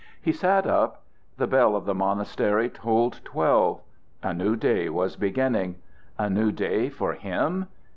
He sat up. The bell of the monastery tolled twelve. A new day was beginning. A new day for him?